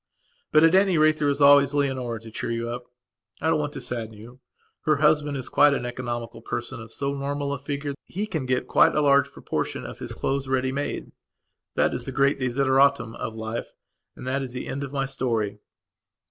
But, at any rate, there is always Leonora to cheer you up; I don't want to sadden you. Her husband is quite an economical person of so normal a figure that he can get quite a large proportion of his clothes ready made. That is the great desideratum of life, and that is the end of my story.